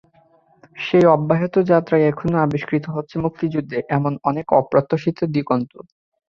সেই অব্যাহত যাত্রায় এখনো আবিষ্কৃত হচ্ছে মুক্তিযুদ্ধের এমনই অনেক অপ্রত্যাশিত দিগন্ত।